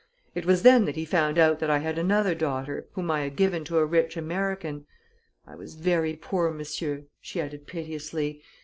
It was then that he found out that I had another daughter, whom I had given to a rich American. I was ver' poor, monsieur," she added piteously.